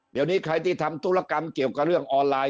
เดี๋ยวนี้ใครที่ทำธุรกรรมเกี่ยวกับเรื่องออนไลน์